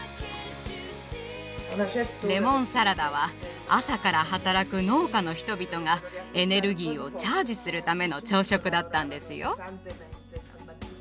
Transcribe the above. レモンサラダは朝から働く農家の人々がエネルギーをチャージするための朝食だったんですよ。